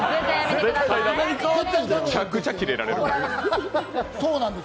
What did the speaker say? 絶対駄目、めちゃくちゃキレられる。